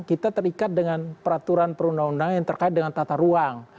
kita terikat dengan peraturan perundang undang yang terkait dengan tata ruang